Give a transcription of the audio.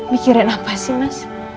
mikirin apa sih mas